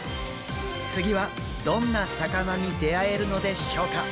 次はどんな魚に出会えるのでしょうか。